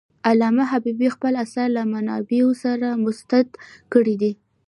علامه حبيبي خپل آثار له منابعو سره مستند کړي دي.